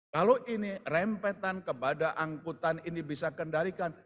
kalau ini rempetan kepada angkutan ini bisa kendalikan